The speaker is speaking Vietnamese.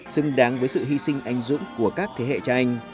xứng đáng với sự hy sinh anh dũng của các thế hệ cha anh